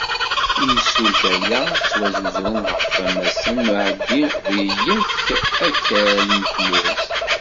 Imsulta-a, ad ttwasuzren ɣef wammasen n usɛeddi deg yakk akal n tmurt.